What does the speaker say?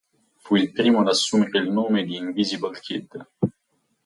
Fu il primo ad assumere il nome di Invisible Kid.